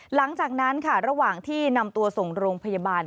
หลังจากนั้นค่ะระหว่างที่นำตัวส่งโรงพยาบาล